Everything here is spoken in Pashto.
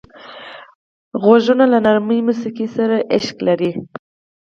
غوږونه له نرمه موسیقۍ سره عشق لري